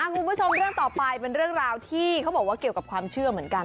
คุณผู้ชมเรื่องต่อไปเป็นเรื่องราวที่เขาบอกว่าเกี่ยวกับความเชื่อเหมือนกัน